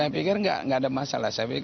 itu yang terbaik dan yang baik